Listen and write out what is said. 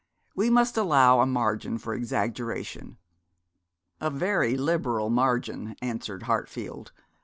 We must allow a margin for exaggeration.' 'A very liberal margin,' answered Hartfield.